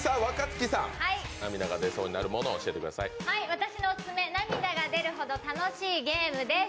私のオススメ、涙が出るほど楽しいゲームです。